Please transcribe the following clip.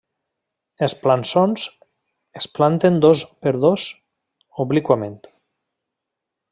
Els plançons es planten dos per dos obliquament.